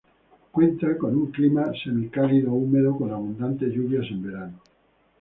Cuenta con un clima semicálido húmedo con abundantes lluvias en verano.